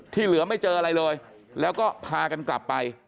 เหลือไม่เจออะไรเลยแล้วก็พากันกลับไป